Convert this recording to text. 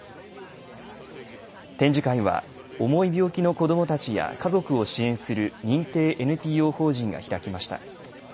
展示会は重い病気の子どもたちや家族を支援する認定ＮＰＯ法人が開きました。